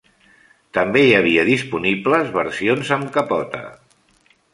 També hi ha havia disponibles versions amb capota.